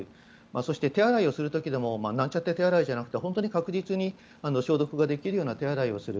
そして、手洗いをする時でもなんちゃって手洗いじゃなくて本当に確実に消毒ができるような手洗いをする。